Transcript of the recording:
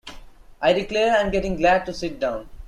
I declare I’m getting glad to sit down.